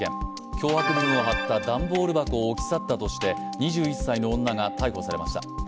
脅迫文を貼った段ボール箱を置き去ったとして２１歳の女が逮捕されました。